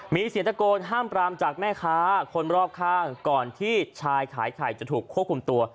มีเสียงตะโกนห้ามปรามจากแม่ค้าคนรอบข้างก่อนที่ชายขายไข่จะถูกควบคุมตัว